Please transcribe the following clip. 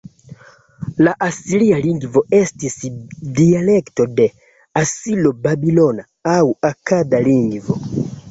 La asiria lingvo estis dialekto de asiro-babilona aŭ akada lingvo.